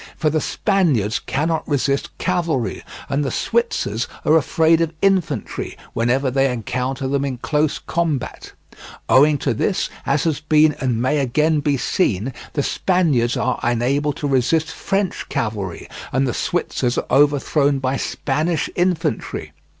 For the Spaniards cannot resist cavalry, and the Switzers are afraid of infantry whenever they encounter them in close combat. Owing to this, as has been and may again be seen, the Spaniards are unable to resist French cavalry, and the Switzers are overthrown by Spanish infantry.